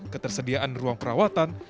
ketersediaan ruang perawatan